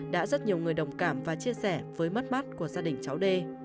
đã rất nhiều người đồng cảm và chia sẻ với mất mát của gia đình cháu đê